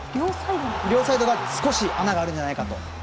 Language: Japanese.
両サイドが少し穴があるんじゃないかと。